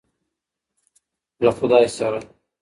له خدای سره.